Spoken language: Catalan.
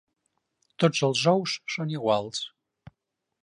Tots els ous són iguals.